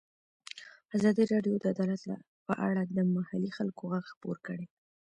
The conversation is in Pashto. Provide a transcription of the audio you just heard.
ازادي راډیو د عدالت په اړه د محلي خلکو غږ خپور کړی.